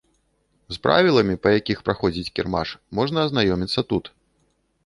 З правіламі, па якіх праходзіць кірмаш, можна азнаёміцца тут.